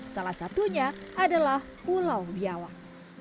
salah satunya adalah pulau biawak